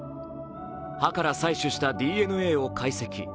歯から採取したＤＮＡを解析。